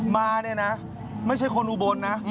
มาเนี่ยนะไม่ใช่คนอุบลนะ